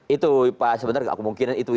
itu pak sebenarnya kemungkinan itu